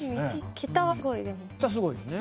桁すごいですね。